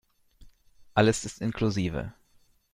Alles ist inklusive.